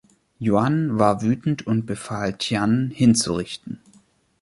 Yuan war wütend und befahl, Tian hinzurichten.